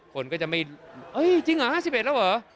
คนก็จะไม่จริงเหรอ๕๑แล้วเหรอ